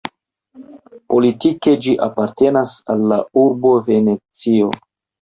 Politike ĝi apartenas al la urbo Venecio.